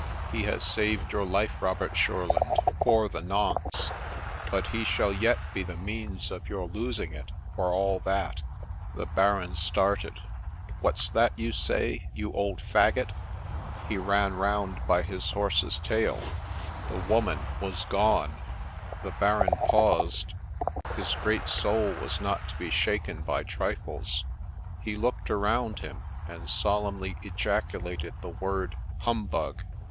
He has saved your life, Robert Shurlaud, for the nonce ; but he shall yet be the means of your losing it for all that !' The Baron started :' What 's that you say, you old faggot ?' He ran round by his horse's tail ; the woman was gone ! The Baron paused ; his great soul was not to be shaken by trifles ; he looked around him, and solemnly ejaculated the word ' Humbug